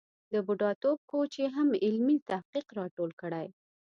د بوډاتوب کوچ یې هم علمي تحقیق را ټول کړی.